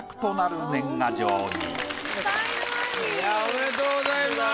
才能アリ。おめでとうございます。